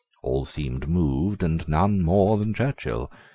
All seemed moved; and none more than Churchill.